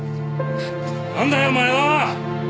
なんだよお前は！